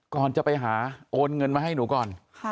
ก่อนจะไปหาโอนเงินมาให้หนูก่อน